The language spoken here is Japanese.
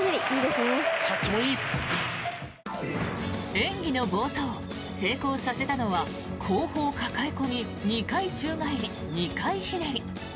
演技の冒頭、成功させたのは後方かかえ込み２回宙返り２回ひねり。